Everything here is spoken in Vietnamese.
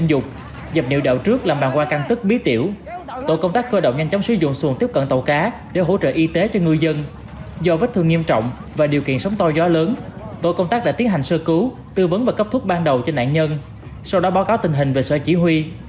tàu cá đã được đưa về bờ an toàn sinh dục dập nhiệu đậu trước làm bàn qua căn tức bí tiểu tổ công tác cơ động nhanh chóng sử dụng xuồng tiếp cận tàu cá để hỗ trợ y tế cho người dân do vết thương nghiêm trọng và điều kiện sống to gió lớn tổ công tác đã tiến hành sơ cứu tư vấn và cấp thuốc ban đầu cho nạn nhân sau đó báo cáo tình hình về sở chỉ huy